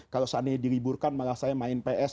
kalau seandainya diliburkan malah saya main ps